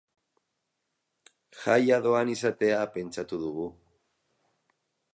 Jaia doan izatea pentsatu dugu.